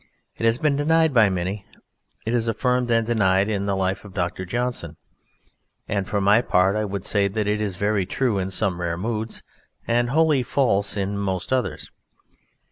It has been denied by many. It is affirmed and denied in the life of Doctor Johnson, and for my part I would say that it is very true in some rare moods and wholly false in most others.